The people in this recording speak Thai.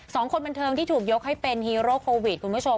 สองคนบรรเทิงที่ถูกยกให้เป็นฮีโรคโควิด